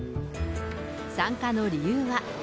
参加の理由は。